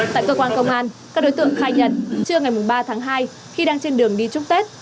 tại cơ quan công an các đối tượng khai nhận trưa ngày ba tháng hai khi đang trên đường đi chúc tết